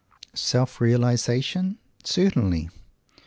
Self realization? Certainly!